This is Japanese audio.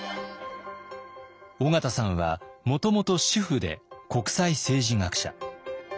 緒方さんはもともと主婦で国際政治学者。